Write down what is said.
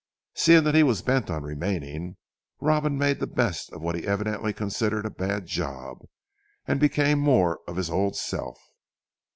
Seeing that he was bent on remaining, Robin made the best of what he evidently considered a bad job, and became more of his old self.